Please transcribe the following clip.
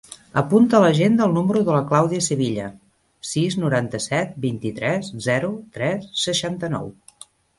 Apunta a l'agenda el número de la Clàudia Sevilla: sis, noranta-set, vint-i-tres, zero, tres, seixanta-nou.